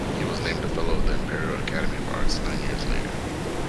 He was named a fellow of the Imperial Academy of Arts nine years later.